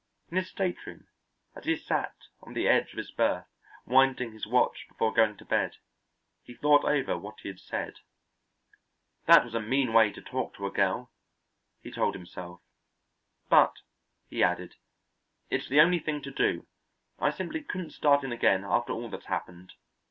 In his stateroom, as he sat on the edge of his berth winding his watch before going to bed, he thought over what he had said. "That was a mean way to talk to a girl," he told himself, "but," he added, "it's the only thing to do. I simply couldn't start in again after all that's happened.